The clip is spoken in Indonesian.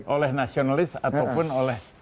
oleh nasionalis ataupun oleh